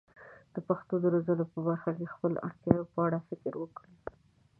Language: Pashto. د پښتو د روزنې په برخه کې د خپلو اړتیاوو په اړه فکر وکړي.